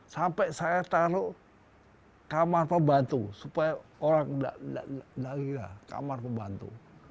sampai saya taruh kamar pembantu supaya orang tidak lagi kamar pembantu